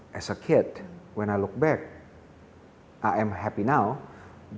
sebagai anak kecil ketika saya melihat kembali saya bahagia sekarang